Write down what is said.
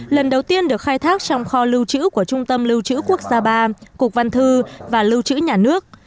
lần đầu tiên được khai thác trong kho lưu trữ của trung tâm lưu trữ quốc gia ba cục văn thư và lưu trữ nhà nước